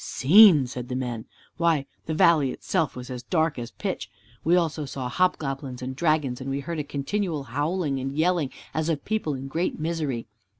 "Seen!" said the men, "why, the valley itself was as dark as pitch. We also saw hobgoblins and dragons, and we heard a continual howling and yelling as of people in great misery.